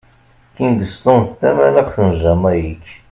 Kingston d tamaxt n Jamayik.